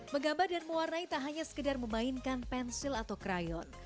menggambar dan mewarnai tak hanya sekedar memainkan pensil atau crayon